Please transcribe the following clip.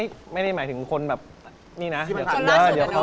ลวงเรื่องหัวใจกันมากดีหว่า